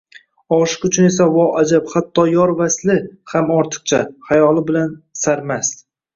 Oshiq uchun esa, vo ajab, hatto yor vasli ham ortiqcha – xayoli bilan sarmast!